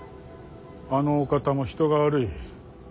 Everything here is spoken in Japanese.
あのお方も人が悪い。